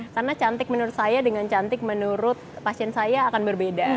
karena cantik menurut saya dengan cantik menurut pasien saya akan berbeda